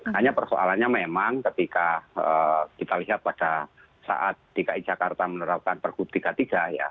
hanya persoalannya memang ketika kita lihat pada saat dki jakarta menerapkan perhubungan tiga puluh tiga ya